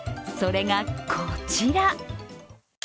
それがこちら。